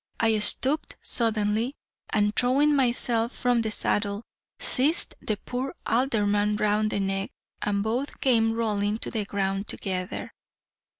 I stooped suddenly, and throwing myself from the saddle, seized the poor alderman round the neck, and both came rolling to the ground together.